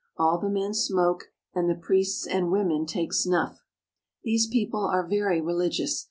All the men smoke, and the priests and women take snuff. These people are very religious.